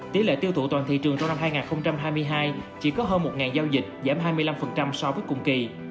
tỷ lệ tiêu thụ toàn thị trường trong năm hai nghìn hai mươi hai chỉ có hơn một giao dịch giảm hai mươi năm so với cùng kỳ